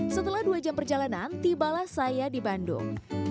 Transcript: setelah dua jam perjalanan tibalah saya di bandung